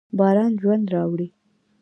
باران ژوند راوړي.